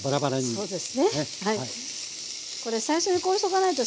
そうです。